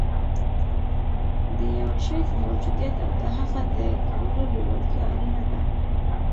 د یوه شي د موجودیت او د هغه د کولو لېوالتیا اړینه ده